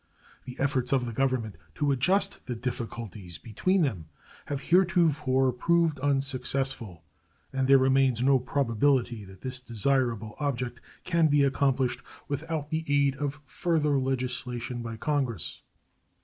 The efforts of the Government to adjust the difficulties between them have heretofore proved unsuccessful, and there remains no probability that this desirable object can be accomplished without the aid of further legislation by Congress.